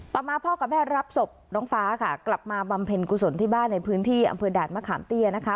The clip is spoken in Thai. มาพ่อกับแม่รับศพน้องฟ้าค่ะกลับมาบำเพ็ญกุศลที่บ้านในพื้นที่อำเภอด่านมะขามเตี้ยนะคะ